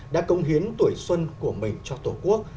đã công hiến tuổi xuân của mình cho tổ quốc